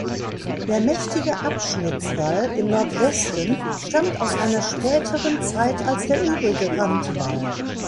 Der mächtige Abschnittswall im Nordwesten stammt aus einer späteren Zeit als der übrige Randwall.